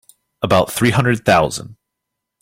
About three hundred thousand.